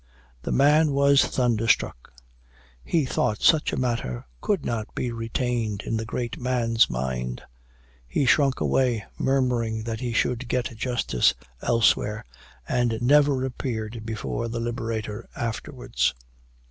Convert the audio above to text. The man was thunderstruck; he thought such a matter could not be retained in the great man's mind. He shrunk away, murmuring that he should get justice elsewhere, and never appeared before the Liberator afterwards.